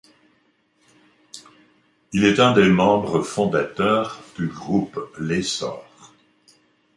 Il est un des membres fondateurs du groupe L'Essor.